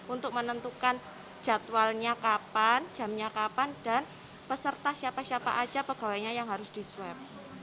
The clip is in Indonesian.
untuk menentukan jadwalnya kapan jamnya kapan dan peserta siapa siapa aja pegawainya yang harus di swab